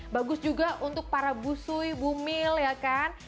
bagus juga untuk para busui bumil ya kan